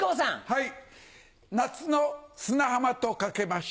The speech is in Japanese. はい。